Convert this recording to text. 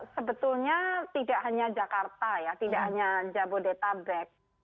sebetulnya tidak hanya jakarta ya tidak hanya jabodetabek